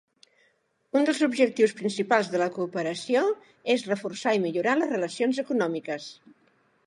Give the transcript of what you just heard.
Un dels objectius principals de la cooperació és reforçar i millorar les relacions econòmiques.